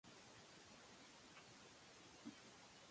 Blass called Kaufmann "his oldest friend" and named him in his will.